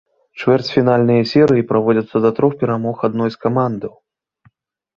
Чвэрцьфінальныя серыі праводзяцца да трох перамог адной з камандаў.